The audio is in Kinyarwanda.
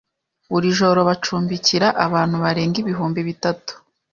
buri joro bacumbikira abantu barenga ibihumbi bitatu